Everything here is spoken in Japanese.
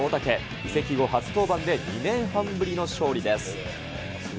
移籍後初登板で２年半ぶりの勝利です。